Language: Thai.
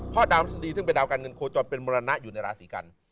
เพราะดาวน์พระธรรมดีซึ่งไปดาวกันเงินโคจรเป็นมรณะอยู่ในราศิกัณฑ์